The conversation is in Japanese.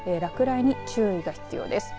落雷に注意が必要です。